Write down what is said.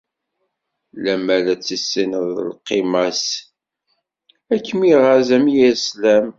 Lemmer ad tissineḍ llqima-s, ad kem-iɣeẓẓ am yir slam.